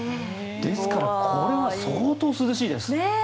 ですから、これは相当、涼しいです。